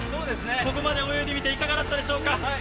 ここまで泳いでみていかがだったでしょうか。